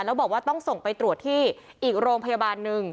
แล้วบอกว่าต้องส่งไปตรวจที่อีกโรงพยาบาลหนึ่ง